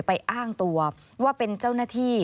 อ้างตัวว่าเป็นเจ้าหน้าที่